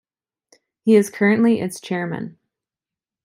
He is currently its chairman.